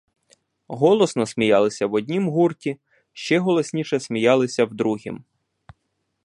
Голосно сміялися в однім гурті — ще голосніше сміялися в другім.